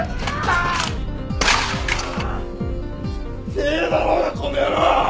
痛えだろうがこの野郎！